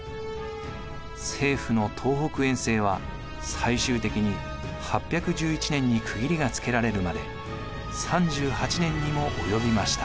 政府の東北遠征は最終的に８１１年に区切りがつけられるまで３８年にも及びました。